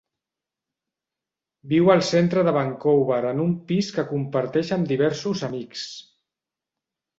Viu al centre de Vancouver en un pis que comparteix amb diversos amics.